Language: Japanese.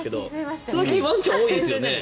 最近、ワンちゃん多いですよね。